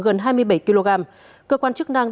gần hai mươi bảy kg cơ quan chức năng